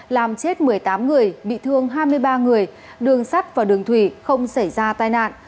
làm chết một mươi tám người bị thương hai mươi ba người đường sắt và đường thủy không xảy ra tai nạn